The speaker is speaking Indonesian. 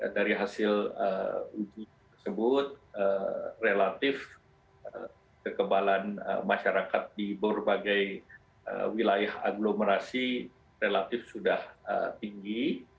dari hasil uji tersebut relatif kekebalan masyarakat di berbagai wilayah agglomerasi relatif sudah tinggi